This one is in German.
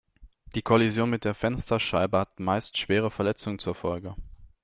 Die Kollision mit der Fensterscheibe hat meist schwere Verletzungen zur Folge.